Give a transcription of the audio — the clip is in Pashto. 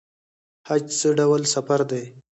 حج څه ډول سفر دی؟